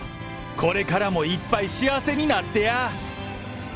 これからもいっぱい幸せになってやー。